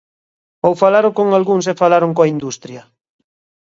¿Ou falaron con algúns e falaron coa industria?